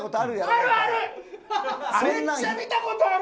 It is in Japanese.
めっちゃ見た事ある！